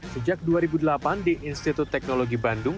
sejak dua ribu delapan di institut teknologi bandung